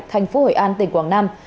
thành phố hội an tỉnh quảng nam